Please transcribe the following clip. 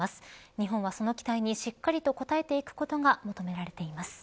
日本はその期待にしっかりと応えていくことが求められています。